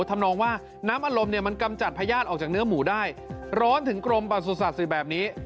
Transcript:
ทำนองว่าน้ำอารมณ์เนี่ยมันกำจัดพญาติออกจากเนื้อหมูได้ร้อนถึงกรมประสุทธิ์สื่อแบบนี้